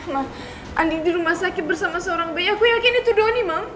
ma andi di rumah sakit bersama seorang bayi aku yakin itu doni ma